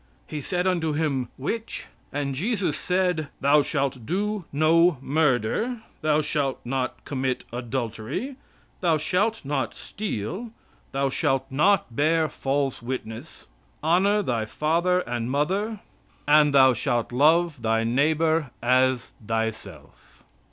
He said unto Him, 'which?' And Jesus said: "Thou shalt do no murder; thou shalt not commit adultery; thou shalt not steal; thou shalt not bear false witness; honor thy father and mother; and, thou shalt love thy neighbor as thyself."